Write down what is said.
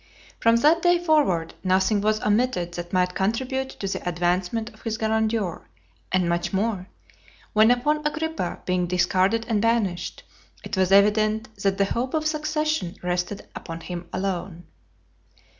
From that day forward, nothing was omitted that might contribute to the advancement of his grandeur, and much more, when, upon Agrippa being discarded and banished, it was evident that the hope of succession rested upon him alone.